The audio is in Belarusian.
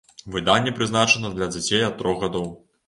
Выданне прызначана для дзяцей ад трох гадоў.